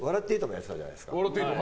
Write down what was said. やっていたじゃないですか。